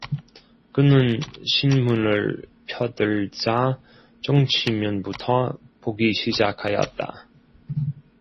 그는 신문을 펴들자 정치면부터 보기 시작 하였다.